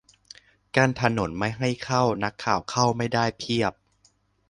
กั้นถนนไม่ให้เข้า นักข่าวเข้าไม่ได้เพียบ !